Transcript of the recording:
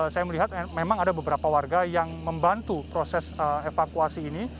saya melihat memang ada beberapa warga yang membantu proses evakuasi ini